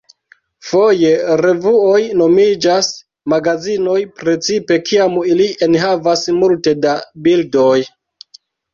Foje revuoj nomiĝas "magazinoj", precipe kiam ili enhavas multe da bildoj.